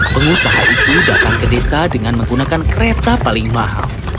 pengusaha itu datang ke desa dengan menggunakan kereta paling mahal